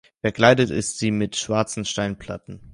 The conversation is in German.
Verkleidet ist sie mit schwarzen Steinplatten.